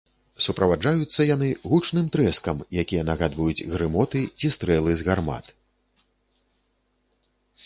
Суправаджаюцца яны гучным трэскам, якія нагадваюць грымоты ці стрэлы з гармат.